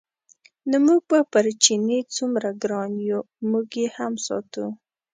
نو موږ به پر چیني څومره ګران یو موږ یې هم ساتو.